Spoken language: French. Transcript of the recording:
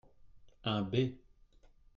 Un b.